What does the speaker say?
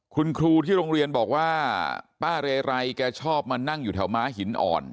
คุณครูที่โรงเรียนบอกว่าป้าเรไรแกชอบมานั่งอยู่แถวม้าหินอ่อน